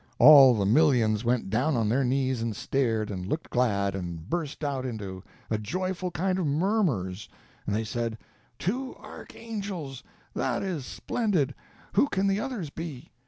All the millions went down on their knees, and stared, and looked glad, and burst out into a joyful kind of murmurs. They said,— "Two archangels!—that is splendid. Who can the others be?"